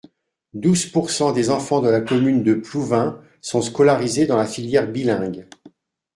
Douze pourcents des enfants de la commune de Plouvien sont scolarisés dans la filière bilingue.